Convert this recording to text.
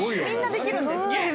みんなできるんですね。